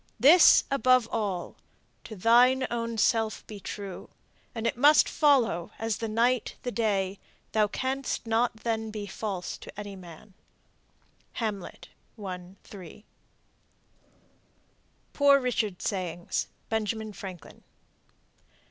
This above all: to thine own self be true, And it must follow, as the night the day, Thou canst not then be false to any man. "Hamlet," 1 :3. POOR RICHARD'S SAYINGS. (Benjamin Franklin.)